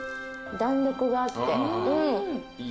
弾力があって。